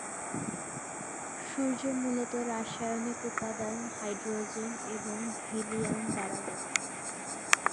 সূর্য মূলত রাসায়নিক উপাদান হাইড্রোজেন এবং হিলিয়াম দ্বারা গঠিত।